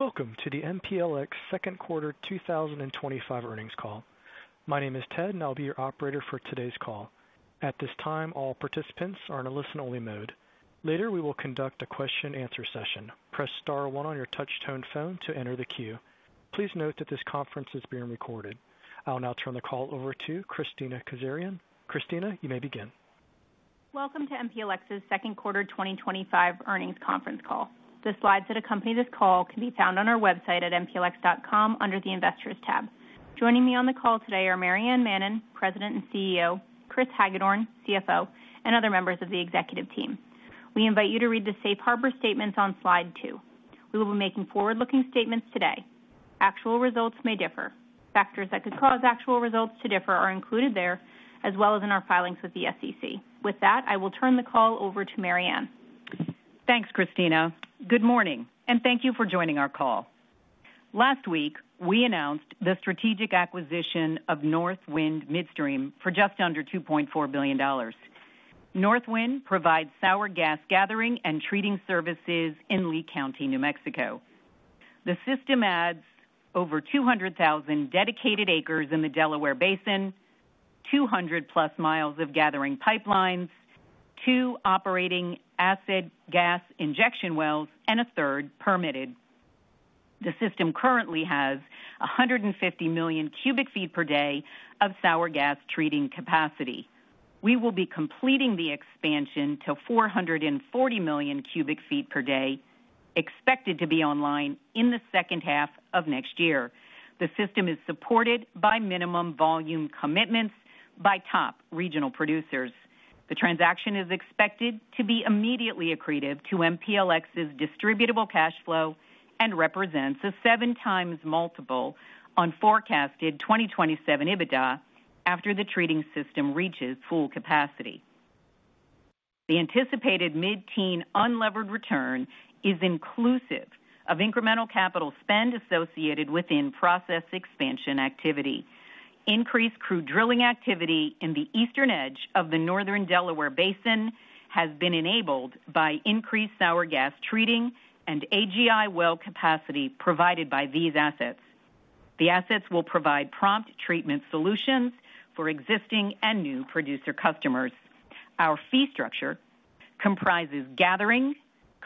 Welcome to the MPLX second quarter 2025 earnings call. My name is Ted and I'll be your operator for today's call. At this time, all participants are in a listen-only mode. Later, we will conduct a question and answer session. Press star one on your touchtone phone to enter the queue. Please note that this conference is being recorded. I'll now turn the call over to Kristina Kazarian. Kristina, you may begin. Welcome to MPLX's second quarter 2025 earnings conference call. The slides that accompany this call can be found on our website at mplx.com under the Investors tab. Joining me on the call today are Maryann Mannen, President and CEO, Kris Hagedorn, CFO, and other members of the Executive Team. We invite you to read the Safe Harbor statements on slide 2. We will be making forward-looking statements today. Actual results may differ. Factors that could cause actual results to differ are included there as well as in our filings with the SEC. With that, I will turn the call over to Maryann. Thanks Kristina. Good morning and thank you for joining our call. Last week we announced the strategic acquisition of Northwind Midstream for just under $2.4 billion. Northwind provides sour gas gathering and treating services in Lee County, New Mexico. The system adds over 200,000 dedicated acres in the Delaware Basin, 200 plus mi of gathering pipelines, two operating acid gas injection wells, and a third permitted. The system currently has 150 million cu ft per day of sour gas treating capacity. We will be completing the expansion to 440 million cu ft per day, expected to be online in the second half of next year. The system is supported by minimum volume commitments by top regional producers. The transaction is expected to be immediately accretive to MPLX's distributable cash flow and represents a 7x multiple on forecasted 2027 EBITDA after the treating system reaches full capacity. The anticipated mid-teen unlevered return is inclusive of incremental capital spend associated with in-process expansion activity. Increased crude drilling activity in the eastern edge of the Northern Delaware Basin has been enabled by increased sour gas treating and AGI well capacity provided by these assets. The assets will provide prompt treatment solutions for existing and new producer customers. Our fee structure comprises gathering,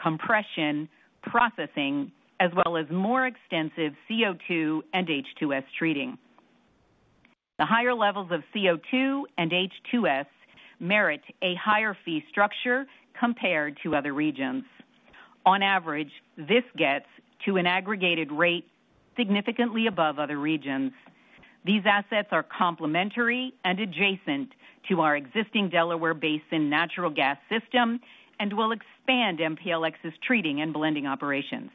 compression, processing, as well as more extensive CO2 and H2S. Treating the higher levels of CO2 and H2S merit a higher fee structure compared to other regions. On average, this gets to an aggregated rate significantly above other regions. These assets are complementary and adjacent to our existing Delaware Basin natural gas system and will expand MPLX's treating and blending operations.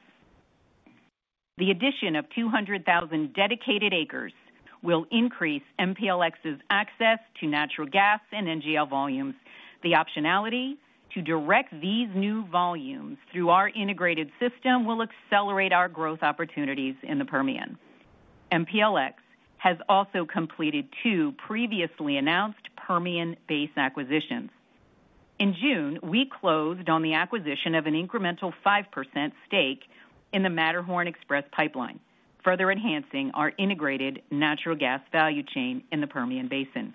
The addition of 200,000 dedicated acres will increase MPLX's access to natural gas and NGL volumes. The optionality to direct these new volumes through our integrated system will accelerate our growth opportunities in the Permian. MPLX has also completed two previously announced Permian Basin acquisitions. In June we closed on the acquisition of an incremental 5% stake in the Matterhorn Express pipeline, further enhancing our integrated natural gas value chain in the Permian Basin.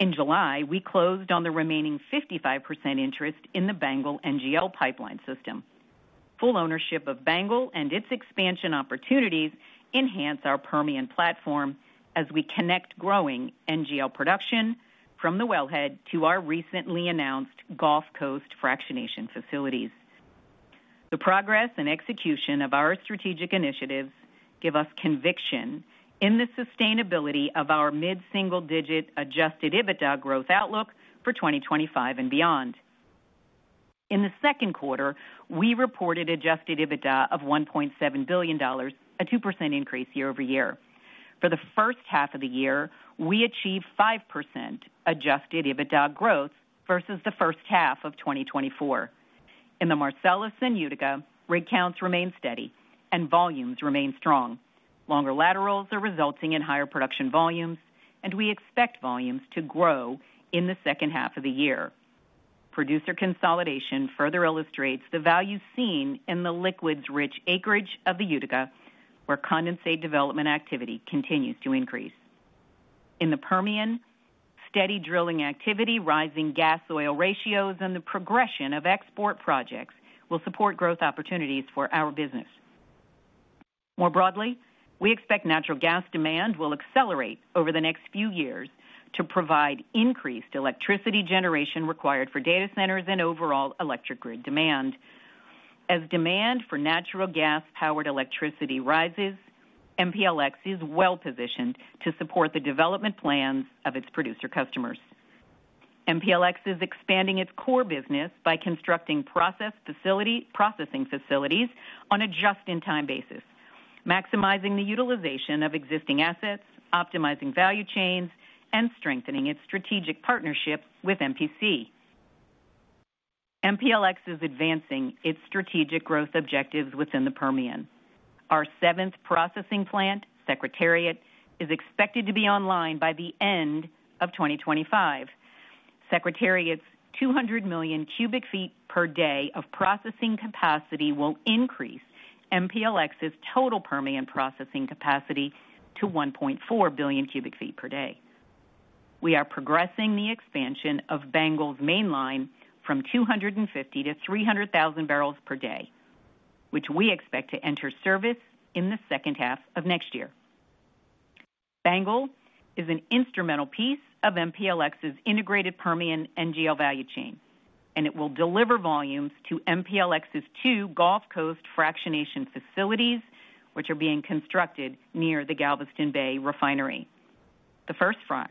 In July we closed on the remaining 55% interest in the BANGL NGL Pipeline System. Full ownership of BANGL and its expansion opportunities enhance our Permian platform as we connect growing NGL production from the wellhead to our recently announced Gulf Coast fractionation facilities. The progress and execution of our strategic initiatives give us conviction in the sustainability of our mid single digit adjusted EBITDA growth outlook for 2025 and beyond. In the second quarter we reported adjusted EBITDA of $1.7 billion, a 2% increase year-over-year. For the first half of the year we achieved 5% adjusted EBITDA growth versus the first half of 2023. In the Marcellus and Utica, rig counts remain steady and volumes remain strong. Longer laterals are resulting in higher production volumes and we expect volumes to grow in the second half of the year. Producer consolidation further illustrates the value seen in the liquids rich acreage of the Utica where condensate development activity continues to increase. In the Permian, steady drilling activity, rising gas oil ratios and the progression of export projects will support growth opportunities for our business. More broadly, we expect natural gas demand will accelerate over the next few years to provide increased electricity generation required for data centers and overall electric grid demand. As demand for natural gas powered electricity rises, MPLX is well positioned to support the development plans of its producer customers. MPLX is expanding its core business by constructing processing facilities on a just in time basis, maximizing the utilization of existing assets, optimizing value chains and strengthening its strategic partnership with Marathon Petroleum Corporation. MPLX is advancing its strategic growth objectives within the Permian. Our seventh processing plant Secretariat is expected to be online by the end of the year 2025. Secretariat's 200 million cu ft per day of processing capacity will increase MPLX's total Permian processing capacity to 1.4 billion cu ft per day. We are progressing the expansion of BANGL's mainline from 250,000-300,000 barrels per day, which we expect to enter service in the second half of next year. BANGL is an instrumental piece of MPLX's integrated Permian NGL value chain and it will deliver volumes to MPLX's two Gulf Coast fractionation facilities which are being constructed near the Galveston Bay refinery. The first frac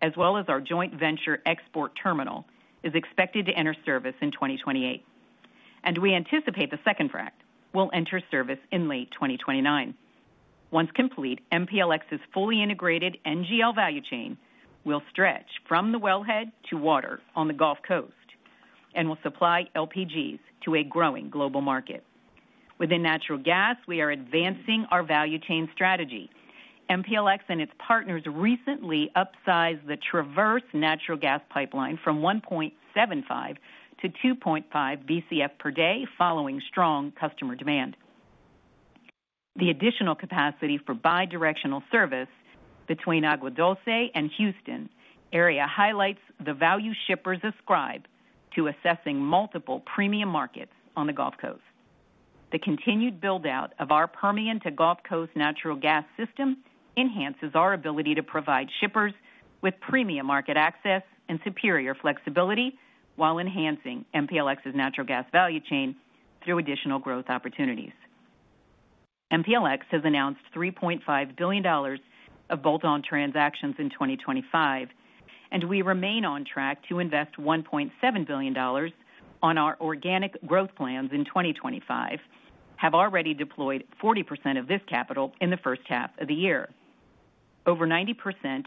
as well as our joint venture export terminal is expected to enter service in 2028, and we anticipate the second frac will enter service in late 2029. Once complete, MPLX's fully integrated NGL value chain will stretch from the wellhead to water on the Gulf Coast and will supply LPGs to a growing global market. Within natural gas, we are advancing our value chain strategy. MPLX and its partners recently upsized the Traverse natural gas pipeline from 1.75-2.5 Bcf per day following strong customer demand. The additional capacity for bi-directional service between Agua Dulce and the Houston area highlights the value shippers ascribe to accessing multiple premium markets on the Gulf Coast. The continued buildout of our Permian to Gulf Coast natural gas system enhances our ability to provide shippers with premium market access and superior flexibility while enhancing MPLX's natural gas value chain through additional growth opportunities. MPLX has announced $3.5 billion of bolt-on transactions in 2025, and we remain on track to invest $1.7 billion on our organic growth plans in 2025. We have already deployed 40% of this capital in the first half of the year. Over 90%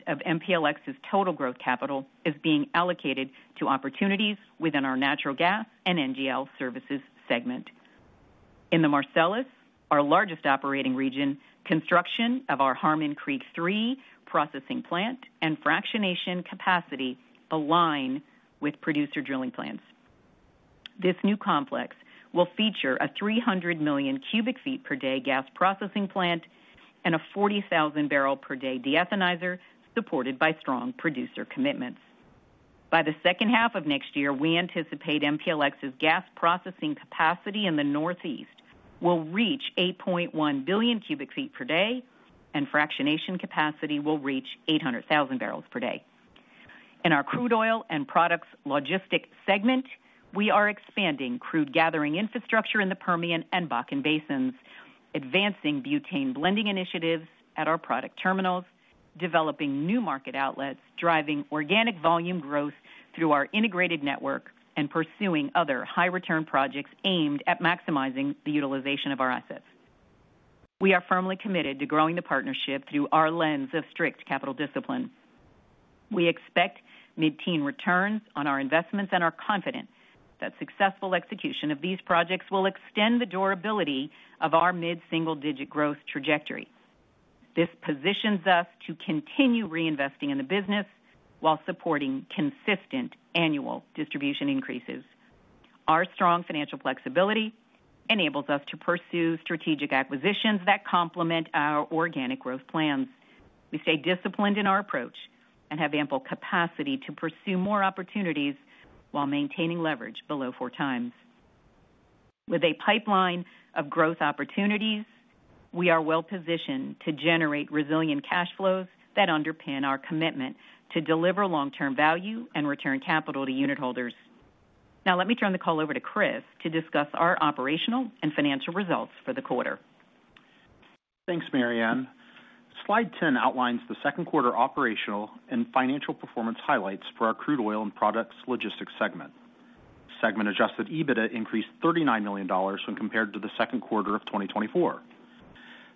of MPLX's total growth capital is being allocated to opportunities within our natural gas and NGL services segment. In the Marcellus, our largest operating region, construction of our Harmon Creek 3 processing plant and fractionation capacity align with producer drilling plans. This new complex will feature a 300 million cu ft per day gas processing plant and a 40,000 barrel per day de-ethanizer supported by strong producer commitments. By the second half of next year, we anticipate MPLX's gas processing capacity in the Northeast will reach 8.1 billion cu ft per day, and fractionation capacity will reach 800,000 barrels per day. In our crude oil and products logistics segment, we are expanding crude gathering infrastructure in the Permian and Bakken basins, advancing butane blending initiatives at our product terminals, developing new market outlets, driving organic volume growth through our integrated network, and pursuing other high return projects aimed at maximizing the utilization of our assets. We are firmly committed to growing the partnership through our lens of strict capital discipline. We expect mid-teen returns on our investments and are confident that successful execution of these projects will extend the durability of our mid-single digit growth trajectory. This positions us to continue reinvesting in the business while supporting consistent annual distribution increases. Our strong financial flexibility enables us to pursue strategic acquisitions that complement our organic growth plans. We stay disciplined in our approach and have ample capacity to pursue more opportunities while maintaining leverage below 4x. With a pipeline of growth opportunities, we are well positioned to generate resilient cash flows that underpin our commitment to deliver long term value and return capital to unitholders. Now let me turn the call over to Kris to discuss our operational and financial results for the quarter. Thanks, Maryann. Slide 10 outlines the second quarter operational and financial performance highlights for our crude oil and products logistics segment. Segment adjusted EBITDA increased $39 million when compared to the second quarter of 2024.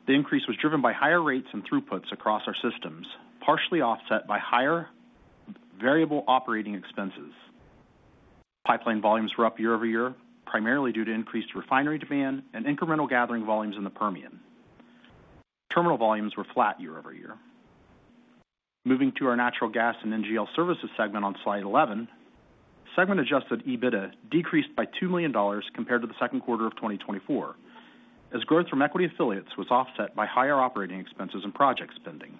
The increase was driven by higher rates and throughputs across our systems, partially offset by higher variable operating expenses. Pipeline volumes were up year-over-year primarily due to increased refinery demand and incremental gathering volumes in the Permian. Terminal volumes were year-over-year. moving to our Natural Gas and NGL Services segment. On Slide 11, segment adjusted EBITDA decreased by $2 million compared to the second quarter of 2024 as growth from equity affiliates was offset by higher operating expenses and project spending.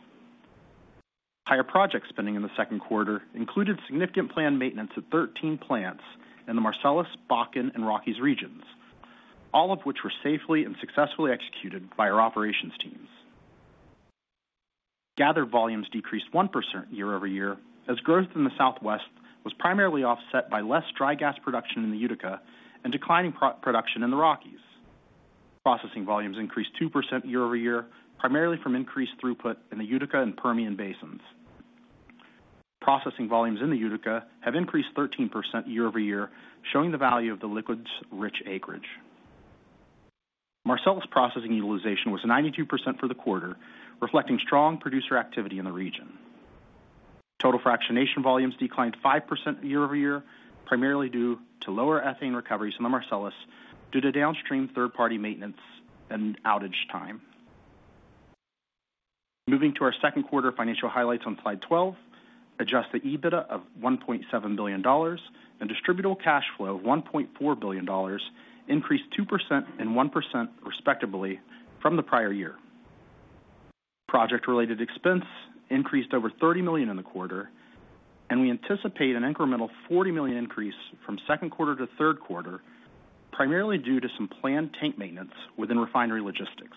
Higher project spending in the second quarter included significant planned maintenance at 13 plants in the Marcellus, Bakken, and Rockies regions, all of which were safely and successfully executed by our operations teams. Gathered volumes decreased 1% year-over-year as growth in the Southwest was primarily offset by less dry gas production in the Utica and declining production in the Rockies. Processing volumes increased 2% year-over-year primarily from increased throughput in the Utica and Permian basins. Processing volumes in the Utica have increased 13% year-over-year, showing the value of the liquids rich acreage. Marcellus processing utilization was 92% for the quarter, reflecting strong producer activity in the region. Total fractionation volumes declined 5% year-over-year primarily due to lower ethane recoveries in the Marcellus due to downstream third-party maintenance and outage time. Moving to our second quarter financial highlights on Slide 12, adjusted EBITDA of $1.7 billion and distributable cash flow of $1.4 billion increased 2% and 1% respectively from the prior year. Project-related expense increased over $30 million in the quarter and we anticipate an incremental $40 million increase from second quarter to third quarter primarily due to some planned tank maintenance within refinery logistics.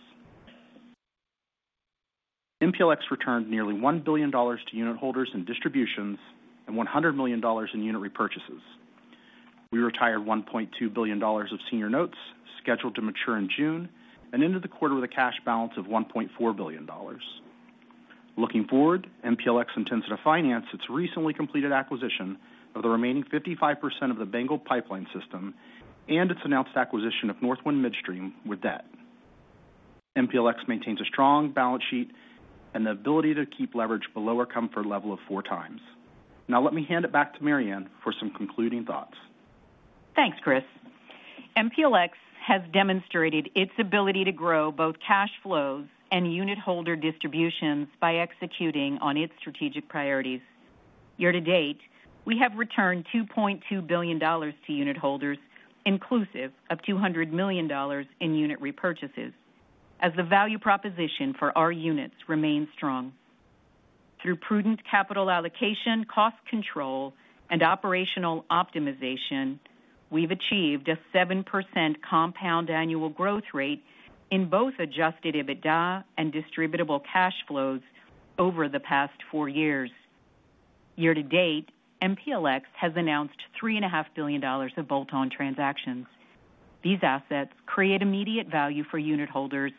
MPLX returned nearly $1 billion to unitholders in distributions and $100 million in unit repurchases. We retired $1.2 billion of senior notes scheduled to mature in June and ended the quarter with a cash balance of $1.4 billion. Looking forward, MPLX intends to finance its recently completed acquisition of the remaining 55% of the BANGL NGL Pipeline System and its announced acquisition of Northwind Midstream with debt. MPLX maintains a strong balance sheet and the ability to keep leverage below our comfort level of four times. Now let me hand it back to Maryann for some concluding thoughts. Thanks Kris. MPLX has demonstrated its ability to grow both cash flows and unitholder distributions by executing on its strategic priorities. Year to date we have returned $2.2 billion to unitholders inclusive of $200 million in unit repurchases as the value proposition for our units remains strong. Through prudent capital allocation, cost control, and operational optimization, we've achieved a 7% compound annual growth rate in both adjusted EBITDA and distributable cash flows over the past four years. Year-to-date, MPLX has announced $3.5 billion of bolt-on transactions. These assets create immediate value for unitholders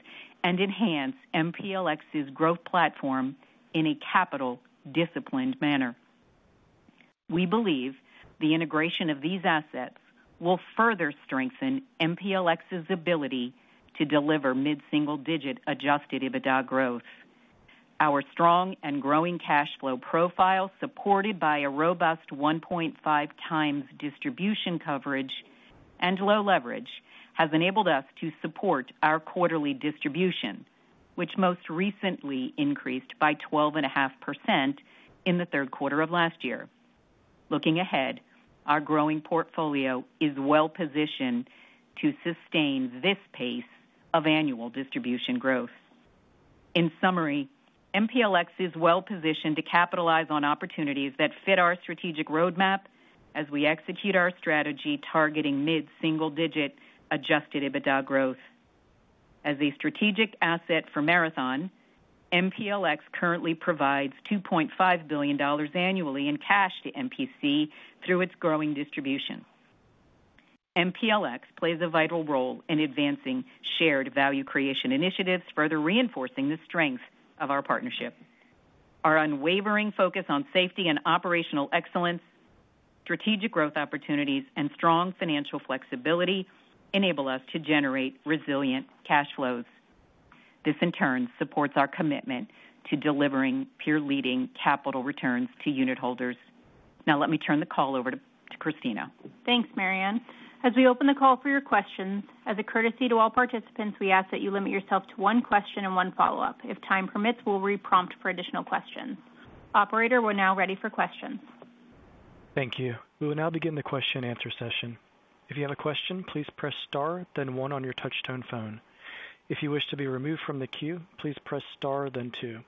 and enhance MPLX's growth platform in a capital disciplined manner. We believe the integration of these assets will further strengthen MPLX's ability to deliver mid single digit adjusted EBITDA growth. Our strong and growing cash flow profile, supported by a robust 1.5x distribution coverage and low leverage, has enabled us to support our quarterly distribution which most recently increased by 12.5% in the third quarter of last year. Looking ahead, our growing portfolio is well positioned to sustain this pace of annual distribution growth. In summary, MPLX is well positioned to capitalize on opportunities that fit our strategic roadmap as we execute our strategy targeting mid single digit adjusted EBITDA growth as a strategic asset for Marathon Petroleum Corporation. MPLX currently provides $2.5 billion annually in cash to MPC through its grow distribution. MPLX plays a vital role in advancing shared value creation initiatives, further reinforcing the strength of our partnership. Our unwavering focus on safety and operational excellence, strategic growth opportunities, and strong financial flexibility enable us to generate resilient cash flows. This in turn supports our commitment to delivering peer leading capital returns to unitholders. Now let me turn the call over to Kristina. Thanks Maryann. As we open the call for your questions, as a courtesy to all participants, we ask that you limit yourself to one question and one follow-up. If time permits, we'll re-prompt for additional questions. Operator, we're now ready for questions. Thank you. We will now begin the question and answer session. If you have a question, please press Star then one on your touchtone phone. If you wish to be removed from the queue, please press Star then two.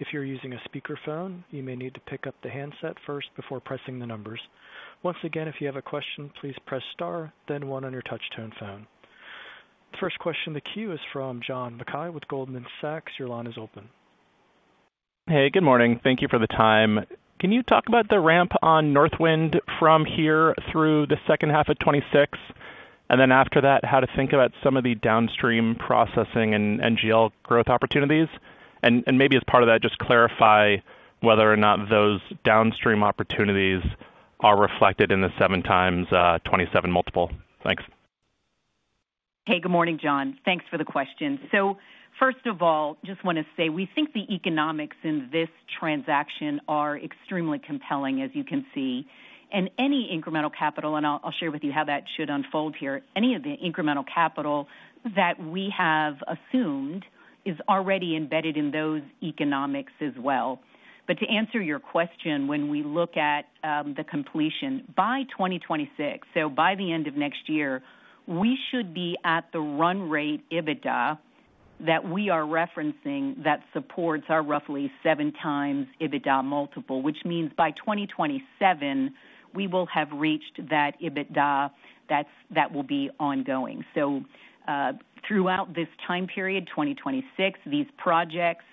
If you're using a speakerphone, you may need to pick up the handset first before pressing the numbers. Once again, if you have a question, please press Star then one on your touchtone phone. The first question in the queue is from John Mackay with Goldman Sachs. Your line is open. Hey, good morning. Thank you for the time. Can you talk about the ramp on Northwind from here through the second half of 2026 and then after that how to think about some of the downstream processing and NGL growth opportunities and maybe as part of that, just clarify whether or not those downstream opportunities are reflected in the 7x by 2027 multiple. Thanks. Hey, good morning, John. Thanks for the question. First of all, just want to say we think the economics in this transaction are extremely compelling, as you can see, and any incremental capital, and I'll share with you how that should unfold here. Any of the incremental capital that we have assumed is already embedded in those economics. To answer your question, when we look at the completion by 2026, by the end of next year we should be at the run rate EBITDA that we are referencing that supports our roughly seven times EBITDA multiple, which means by 2027 we will have reached that EBITDA that will be ongoing. Throughout this time period, 2026, these projects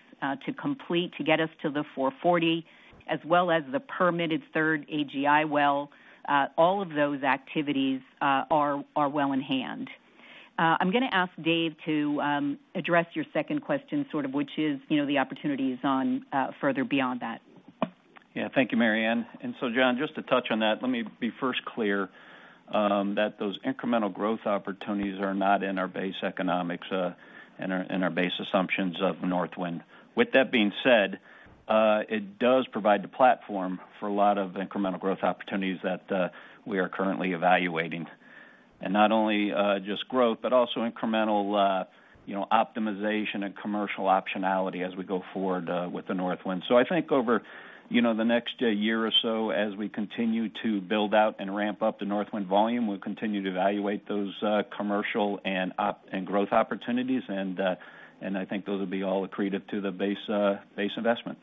to complete to get us to the 440 as well as the permitted third AGI, all of those activities are well in hand. I'm going to ask Dave to address your second question, sort of which is, you know, the opportunities on further beyond that. Yeah, thank you, Maryann. John, just to touch on that, let me be first clear that those incremental growth opportunities are not in our base economics and our base assumptions of Northwind. With that being said, it does provide the platform for a lot of incremental growth opportunities that we are currently evaluating. Not only just growth, but also incremental optimization and commercial optionality as we go forward with Northwind. I think over the next year or so, as we continue to build out and ramp up the Northwind volume, we'll continue to evaluate those commercial and growth opportunities and I think those will be all accretive to the base investment.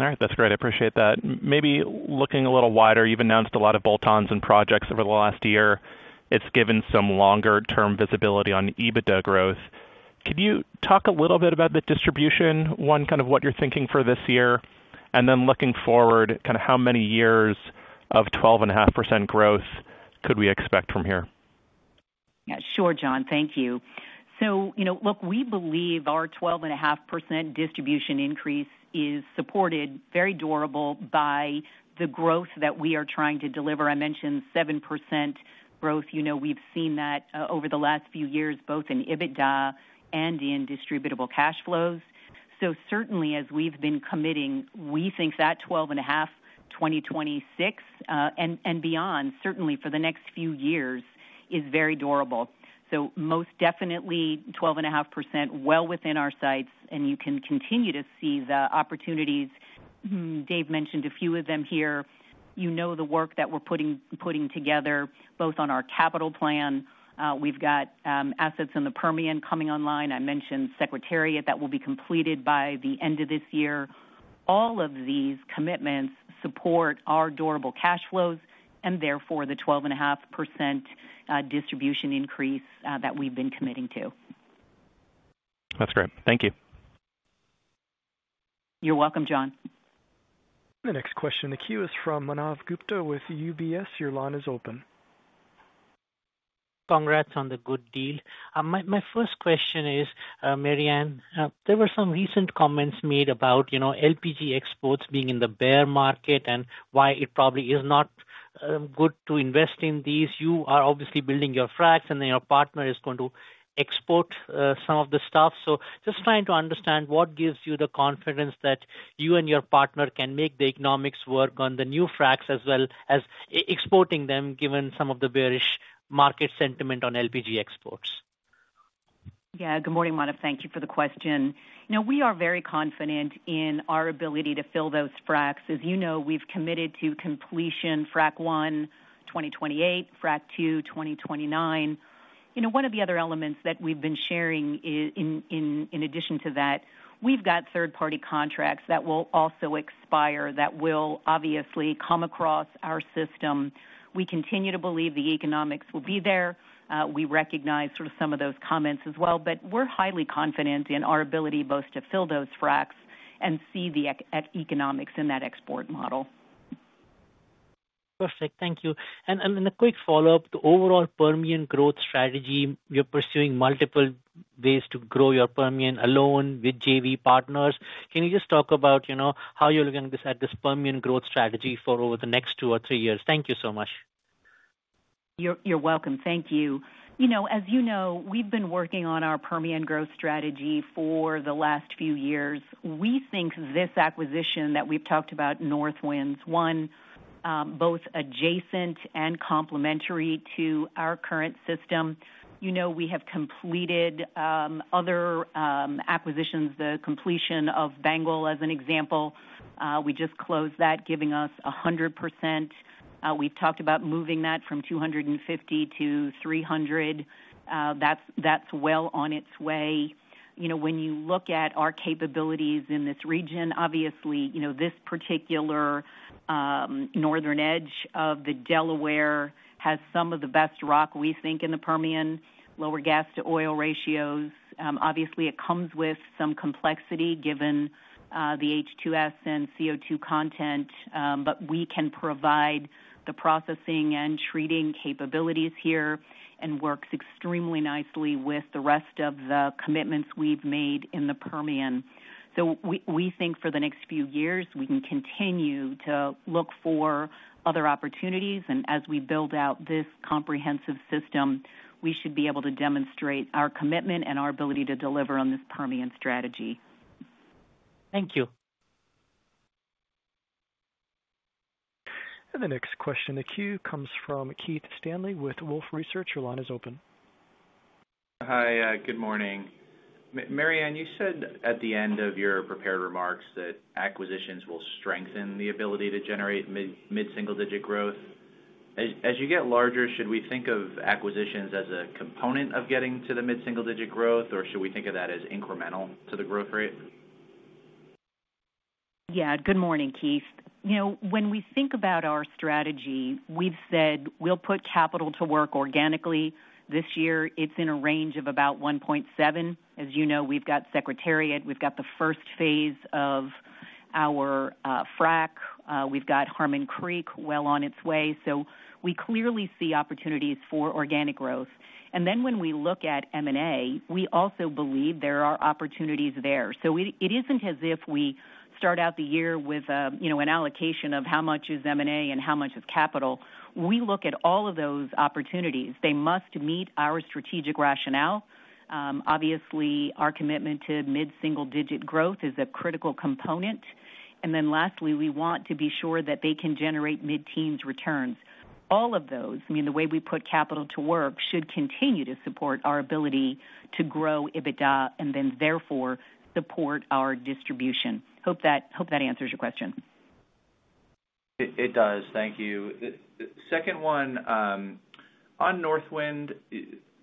All right, that's great. I appreciate that. Maybe looking a little wider, you've announced a lot of bolt-ons and projects over the last year. It's given some longer-term visibility on EBITDA growth. Can you talk a little bit about the distribution one, kind of what you're thinking for this year and then looking forward, kind of how many years of 12.5% growth could we expect from here? Sure, John, thank you. We believe our 12.5% distribution increase is supported, very durable by the growth that we are trying to deliver. I mentioned 7% growth. We've seen that over the last few years both in EBITDA and in distributable cash flows. Certainly as we've been committing, we think that 12.5%, 2026 and beyond, certainly for the next few years is very durable. Most definitely 12.5% well within our sights. You can continue to see the opportunities. Dave mentioned a few of them here. The work that we're putting together both on our capital plan. We've got assets in the Permian coming online. I mentioned Secretariat that will be completed by the end of this year. All of these commitments support our durable cash flows and, therefore, the 12.5% distribution increase that we've been committing to. That's great. Thank you. You're welcome, John. The next question in the queue is from Manav Gupta with UBS. Your line is open. Congrats on the good deal. My first question is, Maryann. There were some recent comments made about, you know, LPG exports being in the bear market and why it probably is not good to invest in. These are obviously building your fracs and your partner is going to export some of the stuff. Just trying to understand what gives you the confidence that you and your partner can make the economics work on the new fracs as well as exporting them, given some of the bearish market sentiment on LPG exports. Yeah, good morning, Manav. Thank you for the question. We are very confident in our ability to fill those fracs. As you know, we've committed to completion. FRAC 1, 2028, FRAC 2, 2029. One of the other elements that we've been sharing, in addition to that, we've got third party contracts that will also expire that will obviously come across our system. We continue to believe the economics will be there. We recognize some of those comments as well. We're highly confident in our ability both to fill those fracs and see the economics in that export model. Perfect, thank you. A quick follow up. The overall Permian growth strategy. You're pursuing multiple ways to grow your Permian alone with JV partners. Can you just talk about how you're looking at this Permian growth strategy for over the next two or three years? Thank you so much. You're welcome. Thank you. As you know, we've been working on our Permian growth strategy for the last few years. We think this acquisition that we've talked about, Northwind's one, both adjacent and complementary to our current system. We have completed other acquisitions. The completion of BANGL as an example, we just closed that, giving us 100%. We talked about moving that from 250,000-300,000 barrels per day. That's well on its way. When you look at our capabilities in this region, obviously, this particular northern edge of the Delaware has some of the best rock, we think in the Permian, lower gas to oil ratios. Obviously, it comes with some complexity given the H2S and CO2 content. We can provide the processing and treating capabilities here and it works extremely nicely with the rest of the commitments we've made in the Permian. We think for the next few years we can continue to look for other opportunities. As we build out this comprehensive system, we should be able to demonstrate our commitment and our ability to deliver on this Permian strategy. Thank you. The next question in the queue comes from Keith Stanley with Wolfe Research. Your line is open. Hi, good morning, Maryann. You said at the end of your prepared remarks that acquisitions will strengthen the ability to generate mid single digit growth. As you get larger Should we think of acquisitions as a component of getting to the mid single digit growth, or should we think of that as incremental to the growth rate? Good morning, Keith. You know, when we think about our strategy, we've said we'll put capital to work organically this year. It's in a range of about $1.7 billion. As you know, we've got Secretariat, we've got the first phase of our frac, we've got Harmon Creek well on its way. We clearly see opportunities for organic growth. When we look at M&A, we also believe there are opportunities there. It isn't as if we start out the year with an allocation of how much is M&A and how much is capital. We look at all of those opportunities. They must meet our strategic rationale. Obviously, our commitment to mid single digit growth is a critical component. Lastly, we want to be sure that they can generate mid teens returns, all of those. The way we put capital to work should continue to support our ability to grow EBITDA and therefore support our distribution. Hope that answers your question. It does, thank you. Second one on Northwind.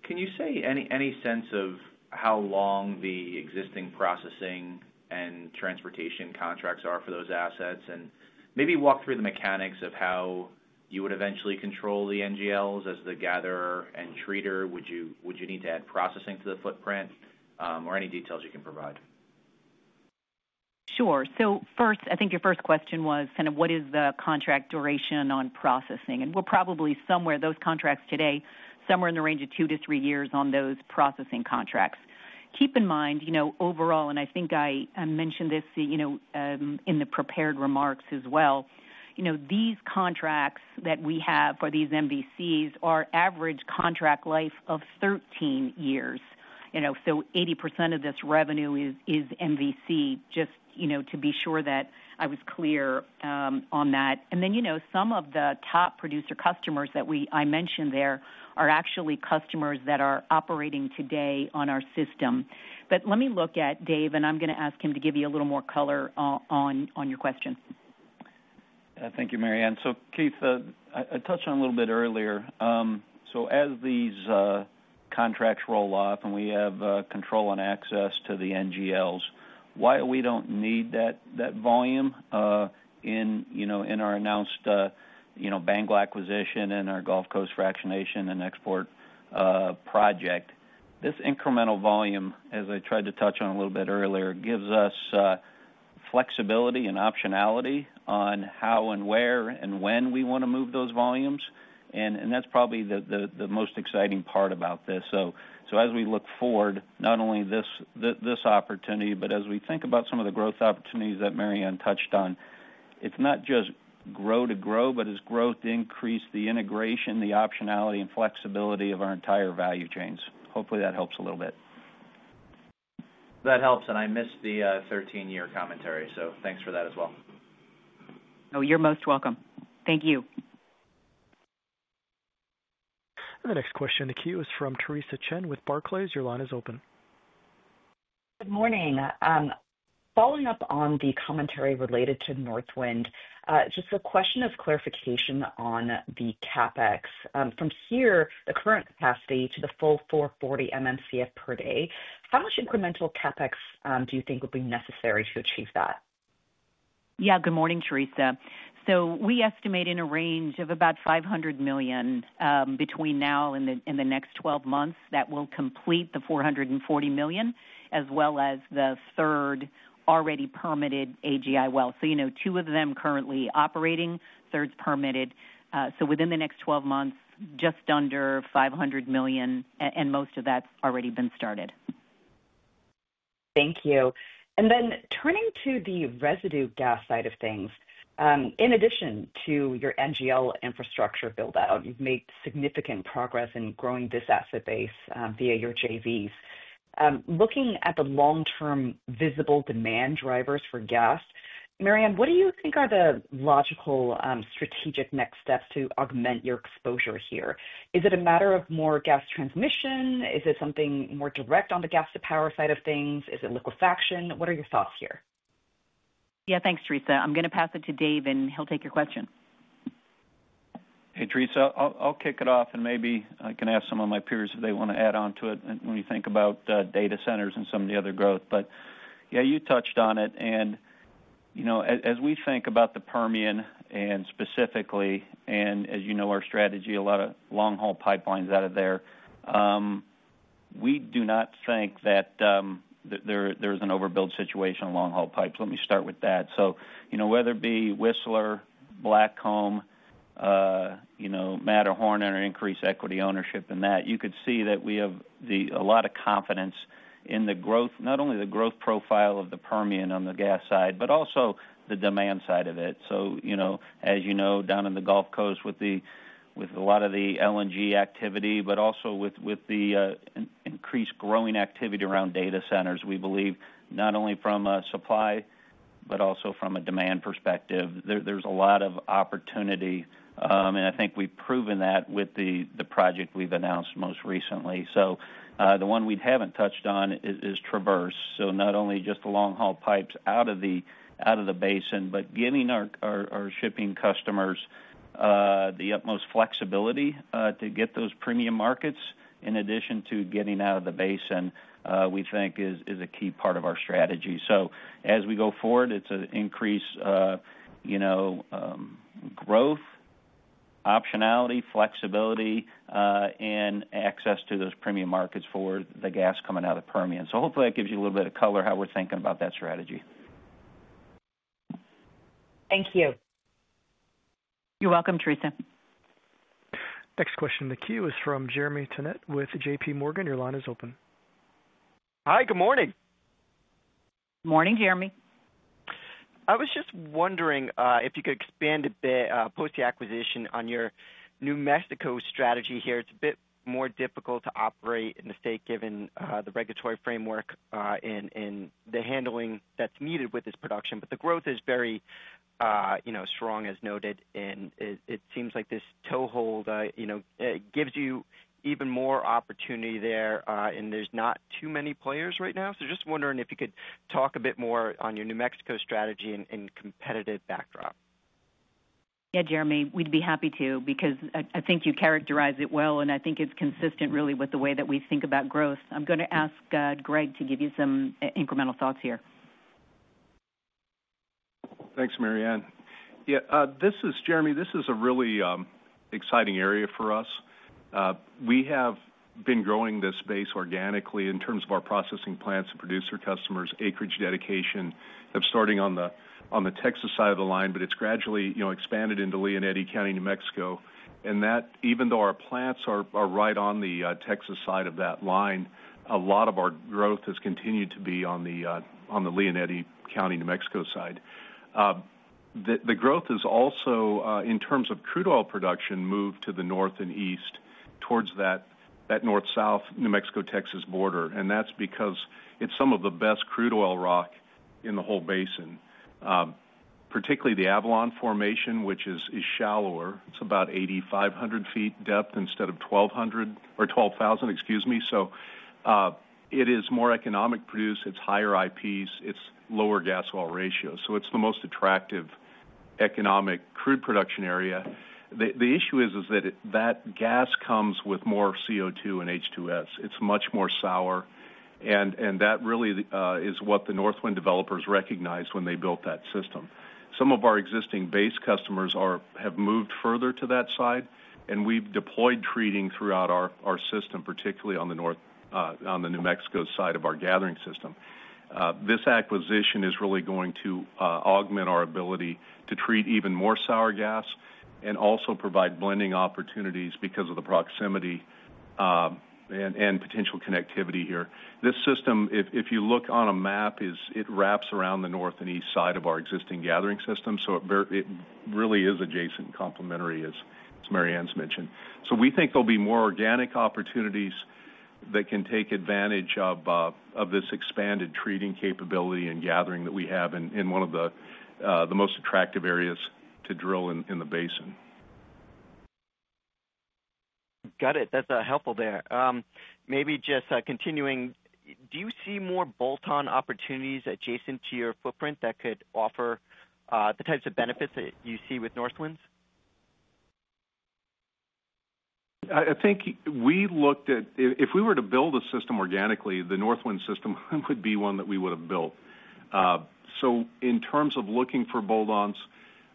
Can you say any sense of how long the existing processing and transportation contracts are for those assets, and maybe walk through the mechanics of how you would eventually control the NGLs as the gatherer and treater? Would you need to add processing to the footprint, or any details you can provide? Sure. I think your first question was kind of what is the contract duration on processing? We're probably somewhere, those contracts today, somewhere in the range of two to three years on those processing contracts. Keep in mind, overall, and I think I mentioned this in the prepared remarks as well, these contracts that we have for these MVCs are average contract life of 13 years, so 80% of this revenue is MVC. Just to be sure that I was clear on that. Some of the top producer customers that I mentioned are actually customers that are operating today our system. Let me look at Dave and I'm going to ask him to give you a little more color on your question. Thank you, Maryann. Keith, I touched on a little bit earlier. As these contracts roll off and we have control and access to the NGLs, while we don't need that volume in our announced BANGL acquisition and our Gulf Coast fractionation and export project, this incremental volume, as I tried to touch on a little bit earlier, gives us flexibility and optionality on how, where, and when we want to move those volumes. That's probably the most exciting part about this. As we look forward, not only to this opportunity, but as we think about some of the growth opportunities that Maryann touched on, it's not just grow to grow, but as growth increases, the integration, the optionality, and flexibility of our entire value chains. Hopefully that helps a little bit. That helps. I missed the 13 year commentary, so thanks for that as well. Oh, you're most welcome. Thank you. The next question in the queue is from Theresa Chen with Barclays. Your line is open. Good morning. Following up on the commentary related to Northwind, just a question of clarification on the CapEx from here, the current capacity to the full 440 MMcf per day, how much incremental CapEx do you think would be necessary to achieve that? Yeah, good morning, Teresa. We estimate in a range of about 500 MMcf between now and in the next 12 months that will complete the 440 MMcf as well as the third already permitted AGI well. Two of them currently operating, third's permitted. Within the next 12 months, just under 500 MMcf and most of that's already been started. Thank you. Turning to the residue gas side of things, in addition to your NGL infrastructure buildout, you've made significant progress in growing this asset base via your JVs. Looking at the long term visible demand drivers for gas, Maryann, what do you think are the logical strategic next steps to augment your exposure here? Is it a matter of more gas transmission? Is it something more direct on the gas to power side of things? What are your thoughts here? Yeah, thanks Teresa. I'm going to pass it to Dave and he'll take your question. Hey Teresa, I'll kick it off andmaybe I can ask some of my peers if they want to add on to it. When you think about data centers and some of the other growth, yeah, you touched on it. As we think about the Permian and specifically, and as you know our strategy, a lot of long haul pipelines out of there. We donot think that there is an overbuilt situation. Long haul pipes, let me start with that. Whether it be Whistler, Blackcomb, Matterhorn, increased equity ownership in that, you could see that we have a lot of confidence in the growth, not only the growth profile of the Permian on the gas side, but also the demand side of it. As you know, down in the Gulf Coast with a lot of the LNG activity, but also with the increased growing activity around data centers, we believe not only from supply but also from a demand perspective there's a lot of opportunity. I think we've proven that with the project we've announced most recently. The one we haven't touched on is Traverse. Not only just the long haul pipes out of the basin, but giving our shipping customers the utmost flexibility to get those premium markets in addition to getting out of the basin, we think is a key part of our strategy. As we go forward, it's an increase, growth optionality, flexibility, and access to those premium markets for the gas coming out of the Permian. Hopefully that gives you a little bit of color how we're thinking about that strategy. Thank you. You're welcome, Theresa. Next question in the queue is from Jeremy Tonet with JPMorgan. Your line is open. Hi, good morning. Good morning, Jeremy. I was just wondering if you could expand a bit post the acquisition on your New Mexico strategy here. It's a bit more difficult to operate in the state given the regulatory framework in the handling that's needed with this production. The growth is very strong, as noted. It seems like this toehold gives you even more opportunity there and there's not too many players right now. I was just wondering if you could talk a bit more on your New Mexico strategy and competitive backdrop. Yeah, Jeremy, we'd be happy to because I think you characterize it well, and I think it's consistent really with the way that we think about growth. I'm going to ask Greg to give you some incremental thoughts here. Thanks, Maryann. Yeah, this is Jeremy. This is a really exciting area for us. We have been growing this space organically in terms of our processing plants and producer customers, acreage dedication of starting on the Texas side of the line. It's gradually expanded into Lea County, New Mexico, and even though our plants are right on the Texas side of that line, a lot of our growth has continued to be on the Lea County, New Mexico side. The growth is also in terms of crude oil production moved to the north and east towards that north-south New Mexico-Texas border. That's because it's some of the best crude oil rock in the whole basin, particularly the Avalon formation, which is shallower. It's about 8,500 ft depth instead of 12,000. Excuse me. It is more economic to produce, it's higher IPs, it's lower gas oil ratio. It's the most attractive economic crude production area. The issue is that gas comes with more CO2 and H2S. It's much more sour and that really is what the Northwind developers recognized when they built that system. Some of our existing base customers have moved further to that side and we've deployed treating throughout our system, particularly on the north on the New Mexico side of our gathering system. This acquisition is really going to augment our ability to treat even more sour gas and also provide blending opportunities because of the proximity and potential connectivity here. This system, if you look on a map, wraps around the north and east side of our existing gathering system. It really is adjacent and complementary as Maryann's mentioned. We think there'll be more organic opportunities that can take advantage of this expanded treating capability and gathering that we have in one of the most attractive areas to drill in the basin. Got it. That's helpful. Maybe just continuing, do you see more bolt-on opportunities adjacent to your footprint that could offer the types of benefits that you see with Northwind? I think we looked at if we were to build a system organically, the Northwind system would be one that we would have built. In terms of looking for bolt ons,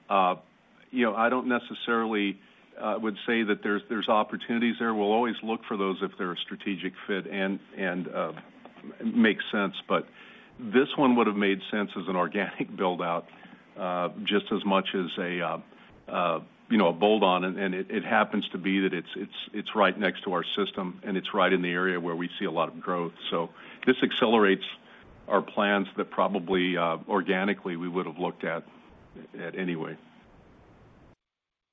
I don't necessarily would say that there's opportunities there. We'll always look for those if they're a strategic fit and make sense. This one would have made sense as an organic build out just as much as a bolt on. It happens to be that it's right next to our system and it's right in the area where we see a lot of growth. This accelerates our plans that probably organically we would have looked at anyway.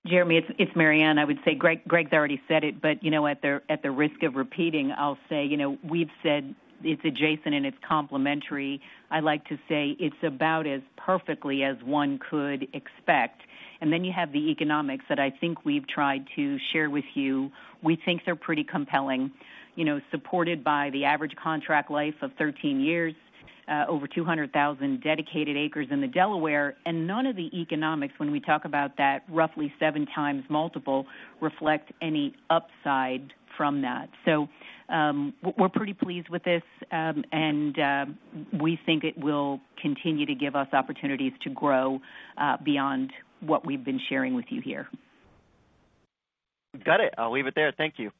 Jeremy, it's Maryann. I would say Greg already said it, but at the risk of repeating, I'll say we've said it's adjacent and it's complementary. I like to say it's about as perfectly as one could expect. You have the economics that I think we've tried to share with you. We think they're pretty compelling, supported by the average contract life of 13 years, over 200,000 dedicated acres in the Delaware, and none of the economics, when we talk about that roughly seven times multiple, reflect any upside from that. We're pretty pleased with this and we think it will continue to give us opportunities to grow beyond what we've been sharing with you here. Got it, I'll leave it there, thank you.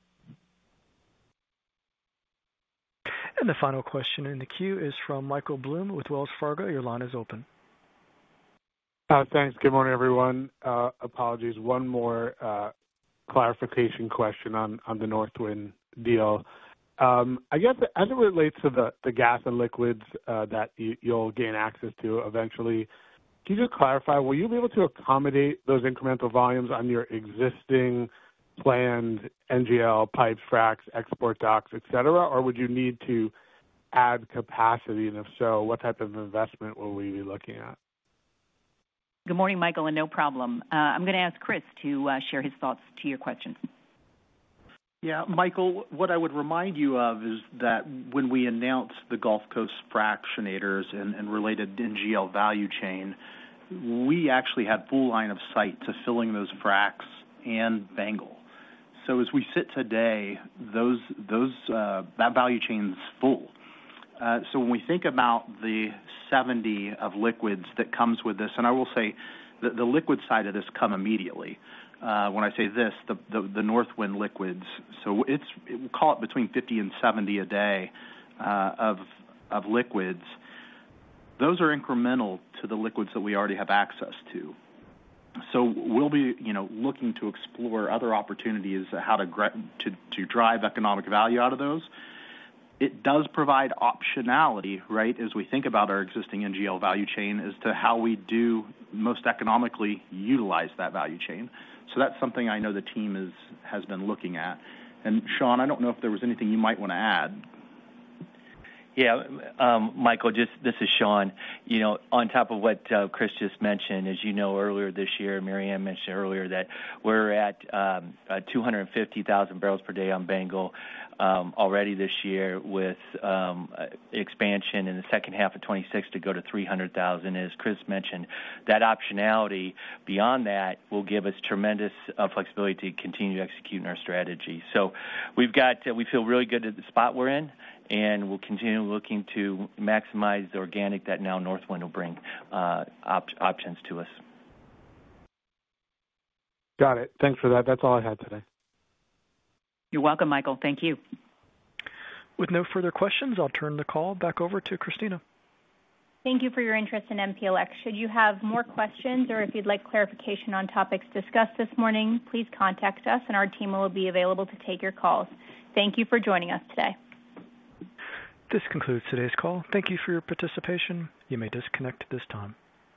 The final question in the queue is from Michael Bloom with Wells Fargo. Your line is open. Thanks. Good morning everyone. Apologies, one more clarification question on the Northwind deal. I guess as it relates to the gas and liquids that you'll gain access to eventually. Can you just clarify, will you be able to accommodate those incremental volumes on your existing planned NGL pipes, fractionation, export docks, et cetera, or would you need to add capacity, and if so, what type of investment will we be looking at? Good morning, Michael. No problem. I'm going to ask Kris to share his thoughts to your questions. Yeah, Michael, what I would remind you of is that when we announced the Gulf Coast fractionators and related NGL value chain, we actually had full line of sight to filling those fracs and BANGL. As we sit today, that value chain is full. When we think about the 70 of liquids that comes with this, and I will say the liquid side of this comes immediately when I say this, the Northwind liquids, so we'll call it between 50 and 70 a day of liquids. Those are incremental to the liquids that we already have access to. We'll be looking to explore other opportunities, how to drive economic value out of those. It does provide optionality. Right? As we think about our existing NGL value chain, as to how we do most economically utilize that value chain, that's something I know the team has been looking at. Shawn, I don't know if there was anything you might want to add. Yeah, Michael, this is Shawn. You know, on top of what Chris just mentioned, as you know, earlier this year, Maryann mentioned earlier that we're at 250,000 barrels per day on BANGL already this year with expansion in 2H 2026 to go to 300,000 barrels per day. As Chris mentioned, that optionality beyond that will give us tremendous flexibility to continue executing our strategy. We feel really good at the spot we're in and we'll continue looking to maximize organic that now Northwind will bring options to us. Got it. Thanks for that. That's all I had today. You're welcome, Michael. Thank you. With no further questions, I'll turn the call back over to Kristina. Thank you for your interest in MPLX. Should you have more questions or if you'd like clarification on topics discussed this morning, please contact us, and our team will be available to take your calls. Thank you for joining us today. This concludes today's call. Thank you for your participation. You may disconnect at this time.